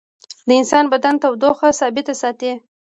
د انسان بدن تودوخه ثابته ساتي